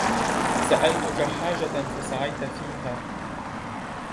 سألتك حاجة فسعيت فيها